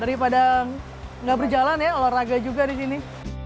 daripada nggak berjalan ya olahraga juga di sini